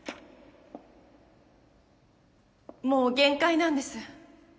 もう限界なんです